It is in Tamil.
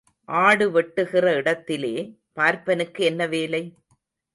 ஆடு வெட்டுகிற இடத்திலே பார்ப்பானுக்கு என்ன வேலை?